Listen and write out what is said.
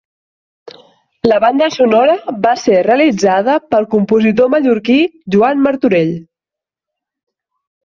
La banda sonora va ser realitzada pel compositor mallorquí Joan Martorell.